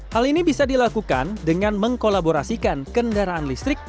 hal ini bisa dilakukan dengan mengkolaborasikan kendaraan listrik